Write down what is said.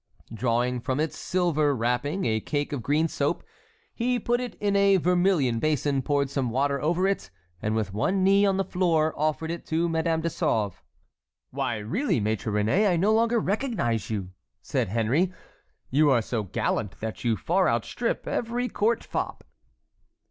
Drawing from its silver wrapping a cake of green soap, he put it in a vermilion basin, poured some water over it, and, with one knee on the floor, offered it to Madame de Sauve. "Why, really, Maître Réné, I no longer recognize you," said Henry, "you are so gallant that you far outstrip every court fop."